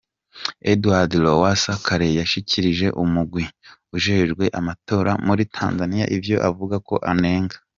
Edward Lowasa kare yashikirije umugwi ujejwe amatora muri Tanzania ivyo avuga ko anenga.